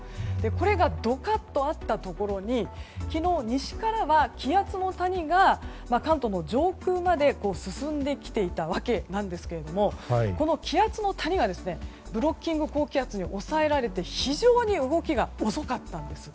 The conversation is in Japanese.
これがドカッとあったところに昨日、西からは気圧の谷が関東の上空まで進んできたわけですがこの気圧の谷がブロッキング高気圧に押さえられて非常に動きが遅かったんです。